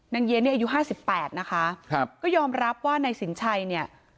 เยียนเนี่ยอายุห้าสิบแปดนะคะครับก็ยอมรับว่านายสินชัยเนี่ย